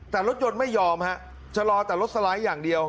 แต่รถยนต์ไม่ยอมฮะชะลอแต่รถสไลด์อย่างเดียว